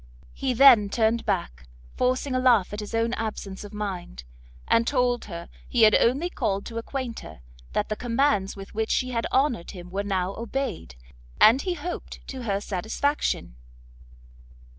He then turned back, forcing a laugh at his own absence of mind, and told her he had only called to acquaint her, that the commands with which she had honoured him were now obeyed, and, he hoped, to her satisfaction.